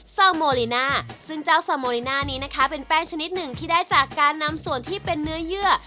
ซาโมลิน่าซึ่งเจ้าซาโมริน่านี้นะคะเป็นแป้งชนิดหนึ่งที่ได้จากการนำส่วนที่เป็นเนื้อเยื่อ